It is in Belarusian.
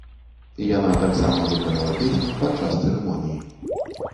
Яна таксама выканала песню падчас цырымоніі.